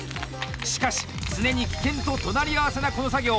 しかし常に危険と隣り合わせな、この作業。